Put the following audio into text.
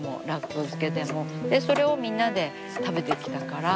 それをみんなで食べてきたから。